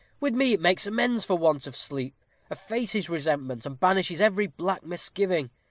With me it makes amends for want of sleep, effaces resentment, and banishes every black misgiving.